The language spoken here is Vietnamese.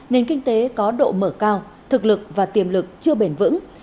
nền kinh tế có độ mở cao thực lực và tiềm lực chưa bền vững